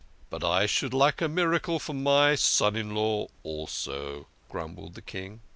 " But I should like a miracle for my son in law also," grumbled the King.